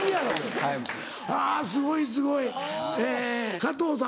はぁすごいすごい加藤さん